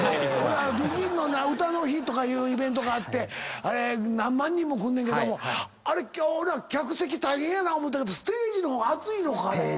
ＢＥＧＩＮのうたの日とかいうイベントがあって何万人も来んねんけどもあれ俺ら客席大変やな思うたけどステージの方が暑いのか！